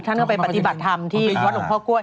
ท่านก็ไปปฏิบัติธรรมที่วัดหลวงพ่อกล้วย